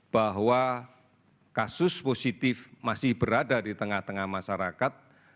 bahwa kasus positif masih berada di tengah tengah masyarakat